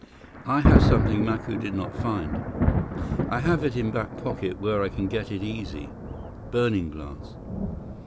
"I have something Macu did not find. I have it in back pocket where I can get it easy. Burning glass."